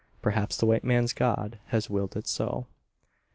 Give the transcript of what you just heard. Perhaps the white man's God has willed it so.